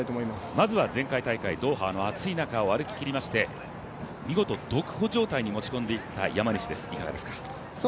まずは前回大会ドーハの暑い中を歩ききって見事、独歩状態に持ち込んでいった山西、いかがですか。